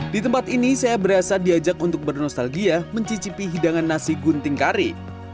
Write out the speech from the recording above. di tempat ini saya berasa diajak untuk bernostalgia mencicipi hidangan nasi gunting kari